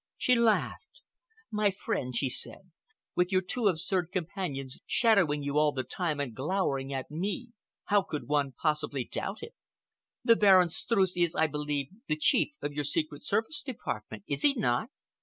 She laughed. "My friend," she said, "with your two absurd companions shadowing you all the time and glowering at me, how could one possibly doubt it? The Baron Streuss is, I believe, the Chief of your Secret Service Department, is he not?